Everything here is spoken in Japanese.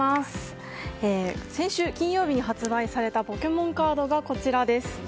先週金曜日に発売されたポケモンカードがこちらです。